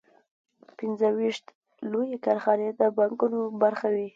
پنځه ویشت لویې کارخانې د بانکونو برخه وې